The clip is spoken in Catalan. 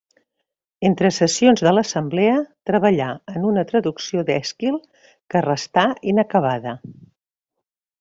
Entre sessions de l'Assemblea, treballà en una traducció d'Èsquil, que restà inacabada.